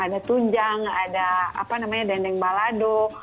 ada tunjang ada dendeng balado